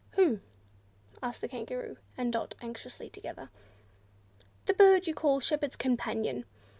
"Who?" asked the Kangaroo and Dot anxiously, together. "The bird you call Shepherd's Companion.